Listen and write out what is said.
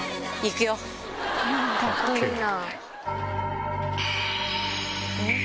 カッコいいな。